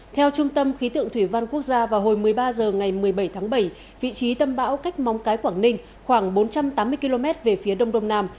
theo trung tâm khí tượng thủy văn quốc gia vào hồi một mươi ba h ngày một mươi bảy tháng bảy vị trí tâm bão cách móng cái quảng ninh khoảng bốn trăm tám mươi km về phía đông đông nam